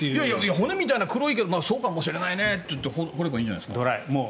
骨みたいに黒いけどそうかもしれないねって掘ればいいんじゃないですか。